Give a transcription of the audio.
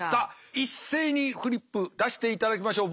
一斉にフリップ出していただきましょう。